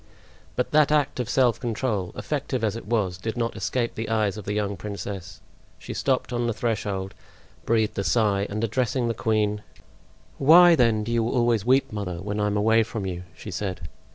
But that act of self control, effective as it was, did not escape the eyes of the young princess. She stopped on the threshold, breathed a sigh, and addressing the queen: "Why, then, do you always weep, mother, when I am away from you?" she said.